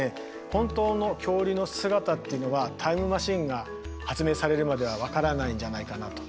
本当の恐竜の姿っていうのはタイムマシンが発明されるまでは分からないんじゃないかなと。